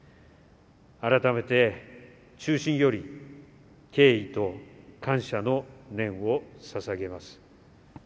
改めて、衷心より敬意と感謝の念を捧げます。